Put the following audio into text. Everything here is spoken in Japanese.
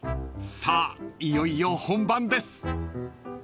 ［さあいよいよ本番です］